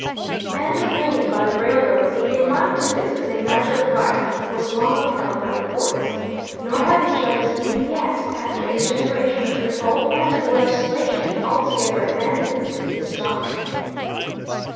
And the claim by the railroads that they might do this as a matter of right was long upheld by the courts, nor have the judges even yet, after a generation of revolt and of legislation, altogether abandoned this doctrine.